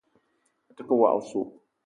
Me ta ke woko oso.